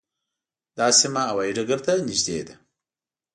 دا سیمه هوايي ډګر ته نږدې ده.